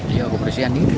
ya kebersihan itu